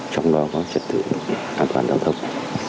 trong đó có trật tự an toàn giao thông